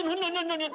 何！